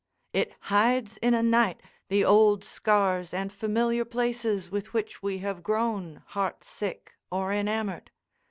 It hides in a night the old scars and familiar places with which we have grown heart sick or enamored.